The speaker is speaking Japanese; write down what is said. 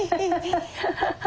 ハハハハ。